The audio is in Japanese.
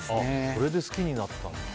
それで好きになったんだ。